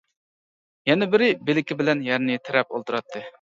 يەنە بىرى بىلىكى بىلەن يەرنى تىرەپ ئولتۇراتتى.